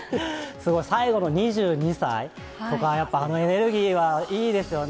すごい最後の２２祭とか、やっぱあのエネルギーはいいですよね。